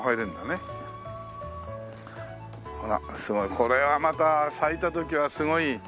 これはまた咲いた時はすごい。